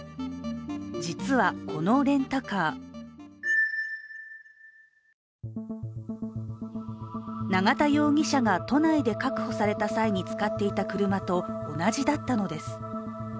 実はこのレンタカー永田容疑者が都内で確保された際に使っていた車と同じだったのです。